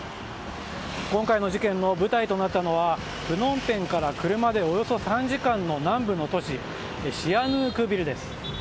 今回の事件の舞台となったのはプノンペンから車でおよそ３時間の南部の都市シアヌークビルです。